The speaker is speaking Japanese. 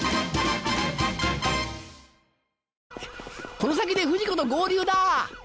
この先で不二子と合流だ！